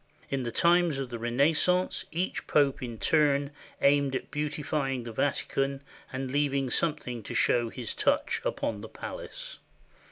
In the times of the Renaissance each Pope in turn aimed at beautifying the Vatican and leav ing something to show his touch upon the palace.